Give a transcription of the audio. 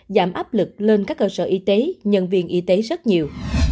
giảm áp lực lên các cơ sở y tế nhân viên y tế rất nhiều